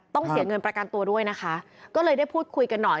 ต้องเสียเงินประกันตัวด้วยนะคะก็เลยได้พูดคุยกันหน่อย